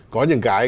có những cái